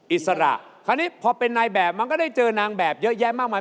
อิสระคราวนี้พอเป็นนายแบบมันก็ได้เจอนางแบบเยอะแยะมากมาย